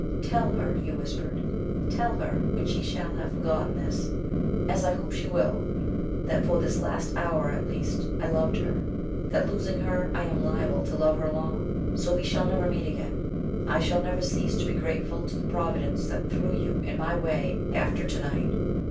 "Tell her," he whispered, "tell her, when she shall have forgotten this as I hope she will that for this hour at least I loved her; that losing her I am liable to love her long, so we shall never meet again. I shall never cease to be grateful to the Providence that threw you in my way after to night.